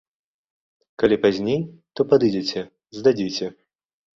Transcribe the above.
Калі пазней, то падыдзеце, здадзіце.